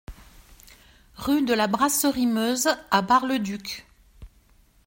Rue de la Brasserie Meuse à Bar-le-Duc